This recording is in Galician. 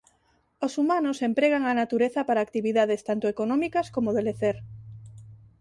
Os humanos empregan a natureza para actividades tanto económicas como de lecer.